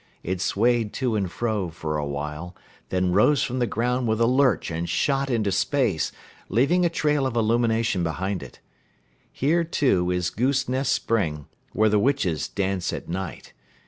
It swayed to and fro for a time, then rose from the ground with a lurch and shot into space, leaving a trail of illumination behind it. Here, too, is Goose Nest Spring, where the witches dance at night.